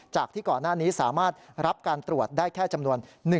ที่ก่อนหน้านี้สามารถรับการตรวจได้แค่จำนวน